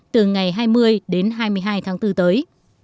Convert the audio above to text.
từ ngày hai mươi đến hai mươi hai tháng bốn tới